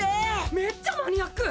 めっちゃマニアック！